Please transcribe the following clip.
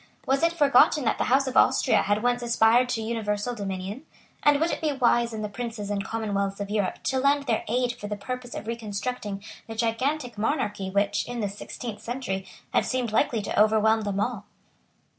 Was it forgotten that the House of Austria had once aspired to universal dominion? And would it be wise in the princes and commonwealths of Europe to lend their aid for the purpose of reconstructing the gigantic monarchy which, in the sixteenth century, had seemed likely to overwhelm them all?